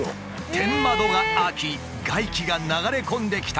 天窓が開き外気が流れ込んできた。